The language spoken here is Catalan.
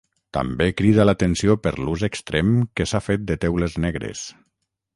També crida l'atenció per l'ús extrem que s'ha fet de teules negres.